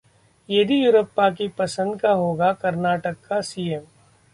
येदियुरप्पा की पंसद का होगा कर्नाटक का सीएम